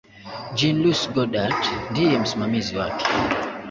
Jean-Luc Godard ndiye msimamizi wake.